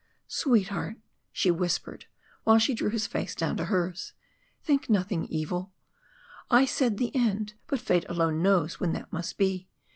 "Sweetheart," she whispered, while she drew his face down to hers, "think nothing evil. I said the end but fate alone knows when that must be.